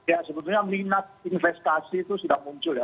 ya sebetulnya minat investasi itu sudah muncul ya